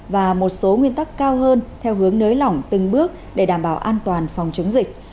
và một số nguyên tắc cao hơn theo hướng nới lỏng từng bước để đảm bảo an toàn phòng chống dịch